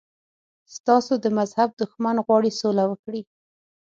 ستاسو د مذهب دښمن غواړي سوله وکړي.